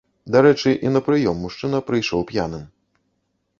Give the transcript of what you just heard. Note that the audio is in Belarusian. Дарэчы, і на прыём мужчына прыйшоў п'яным.